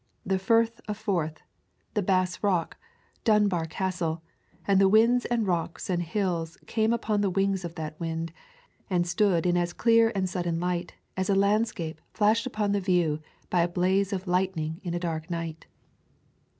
The Firth of Forth, the Bass Rock, Dunbar Castle, and the winds and rocks and hills came upon the wings of that wind, and stood in as clear and sudden light as a land _ scape flashed upon the view by a blaze of light ning in a dark night.